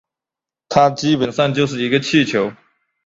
它基本上就是一个气球